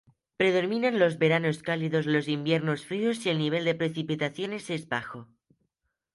Predominan los veranos cálidos, los inviernos fríos y el nivel de precipitaciones es bajo.